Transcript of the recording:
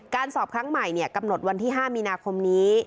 สอบครั้งใหม่กำหนดวันที่๕มีนาคมนี้